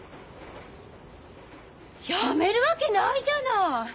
やめるわけないじゃない！